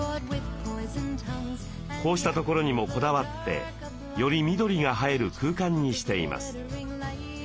こうしたところにもこだわってより緑が映える空間にしています。